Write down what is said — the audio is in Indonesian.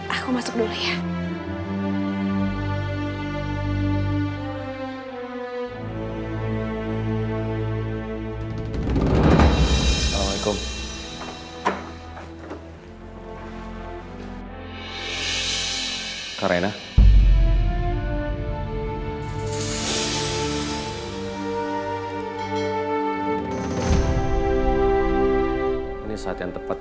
aku masuk dulu ya